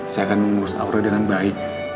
saya akan mengurus aura dengan baik